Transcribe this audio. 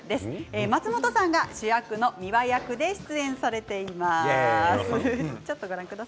松本さんが主役のミワ役で出演されています。